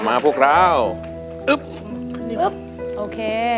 สาวพิการผู้มีรักเป็นแรงใจนะครับ